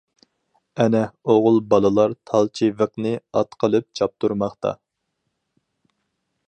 ئەنە ئوغۇل بالىلار تال چىۋىقنى ئات قىلىپ چاپتۇرماقتا.